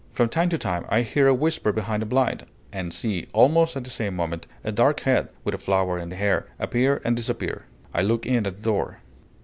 From time to time I hear a whisper behind a blind, and see, almost at the same moment, a dark head, with a flower in the hair, appear and disappear. I look in at a door....